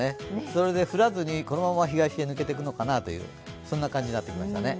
それで降らずにこのまま東へ抜けいていくのかなという感じになりましたね。